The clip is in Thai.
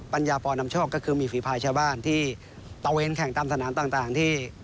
ปัญญาปอนำโชคก็คือมีฝีภายชาวบ้านที่ตะเวนแข่งตามสนามต่างที่